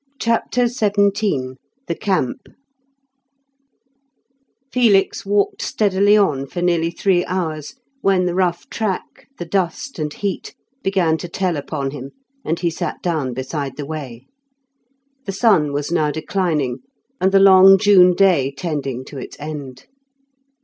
CHAPTER XVII THE CAMP Felix walked steadily on for nearly three hours, when the rough track, the dust, and heat began to tell upon him, and he sat down beside the way. The sun was now declining, and the long June day tending to its end.